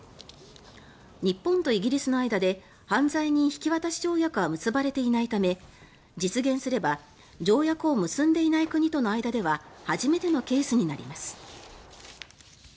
日本とイギリスの間で犯罪人引渡し条約は結ばれていないため実現すれば条約を結んでいない国との間では初めてのケースになります。